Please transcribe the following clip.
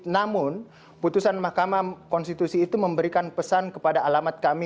namun putusan mahkamah konstitusi itu memberikan pesan kepada alamat kami